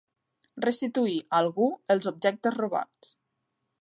Restituir a algú els objectes robats.